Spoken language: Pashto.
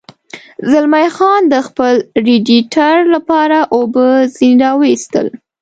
زلمی خان د خپل رېډیټر لپاره اوبه ځنې را ویستل.